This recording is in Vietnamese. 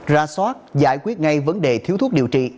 ra soát giải quyết ngay vấn đề thiếu thuốc điều trị